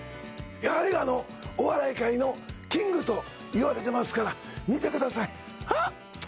やはりお笑い界のキングと言われてますから見てくださいはぁ！